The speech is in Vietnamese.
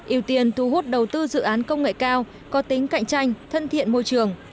ưu tiên thu hút đầu tư dự án công nghệ cao có tính cạnh tranh thân thiện môi trường